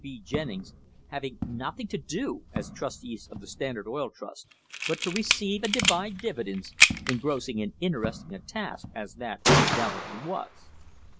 B. Jennings, having nothing to do, as trustees of the Standard Oil Trust, but to receive and divide dividends, engrossing and interesting a task as that undoubtedly was.